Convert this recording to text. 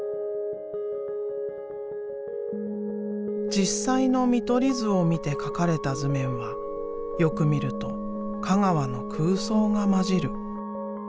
実際の見取り図を見て描かれた図面はよく見ると香川の空想が混じる。